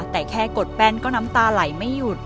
แต่แค่กดแป้นก็น้ำตาไหลไม่หยุด